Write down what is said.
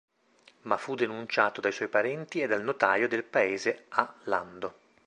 Ma fu denunciato dai suoi parenti e dal notaio del paese A. Lando.